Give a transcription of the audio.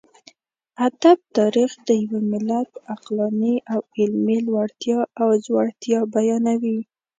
ادب تاريخ د يوه ملت عقلاني او علمي لوړتيا او ځوړتيا بيانوي.